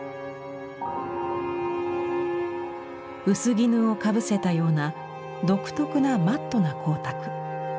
薄絹をかぶせたような独特なマットな光沢。